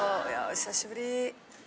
いや久しぶり。